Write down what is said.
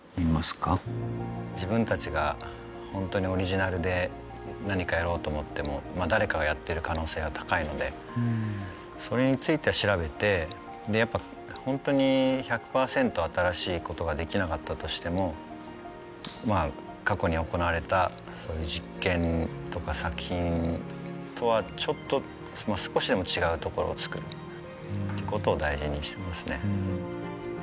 自分たちが本当にオリジナルで何かやろうと思っても誰かがやってる可能性が高いのでそれについて調べてでやっぱ本当に１００％新しいことができなかったとしても過去に行われた実験とか作品とはちょっと少しでも違う所を作るってことを大事にしてますね。